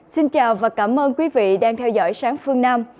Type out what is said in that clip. xin chào và cảm ơn quý vị đang theo dõi sáng phương nam